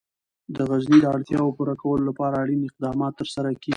د غزني د اړتیاوو پوره کولو لپاره اړین اقدامات ترسره کېږي.